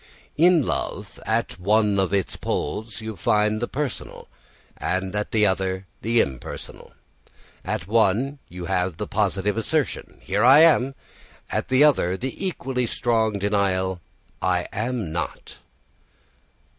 In love, at one of its poles you find the personal, and at the other the impersonal. At one you have the positive assertion Here I am; at the other the equally strong denial I am not.